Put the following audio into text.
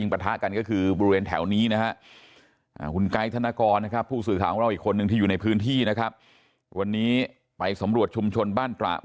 มันเป็นเหมือนกับอะมันอาตันและมันเป็นเหมือนแหละก็เป็นเหมือนบ้านซ้า